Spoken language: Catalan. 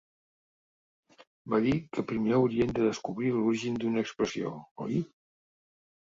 Va dir que primer hauríem de descobrir l'origen d'una expressió, oi?